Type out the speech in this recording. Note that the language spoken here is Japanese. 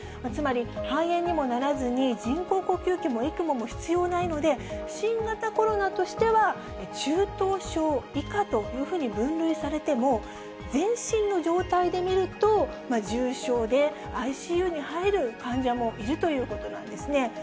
つまり肺炎にもならずに、人工呼吸器もＥＣＭＯも必要ないので、新型コロナとしては中等症以下というふうに分類されても、全身の状態で見ると、重症で、ＩＣＵに入る患者もいるということなんですね。